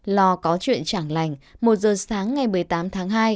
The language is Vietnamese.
lo có chuyện chẳng lành một giờ sáng ngày một mươi tám tháng hai